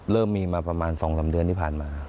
เริ่มมีมาประมาณ๒๓เดือนที่ผ่านมา